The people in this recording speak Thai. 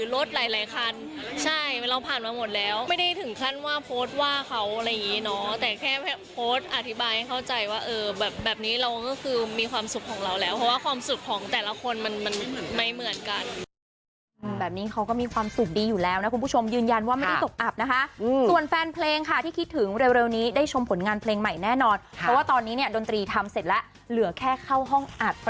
โพสต์ว่าเขาอะไรอย่างนี้เนาะแต่แค่โพสต์อธิบายให้เข้าใจว่าเออแบบนี้เราก็คือมีความสุขของเราแล้วเพราะว่าความสุขของแต่ละคนมันไม่เหมือนกัน